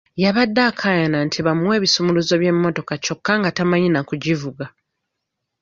Yabadde akaayana nti bamuwe ebisumuluzo by'emmotoka kyokka nga tamanyi na kugivuga.